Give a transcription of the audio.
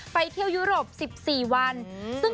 ไปเที่ยวยุโรป๑๔วัน